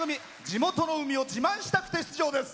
地元の海を自慢したくて出場です。